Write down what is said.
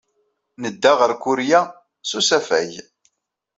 Nedda ɣer Kurya s usafag.